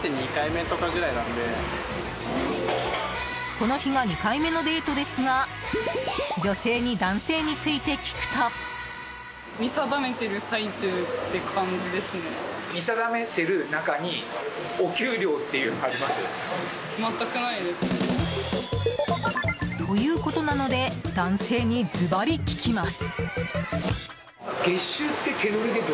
この日が２回目のデートですが女性に男性について聞くと。ということなので男性にズバリ聞きます。